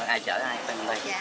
ai chở ai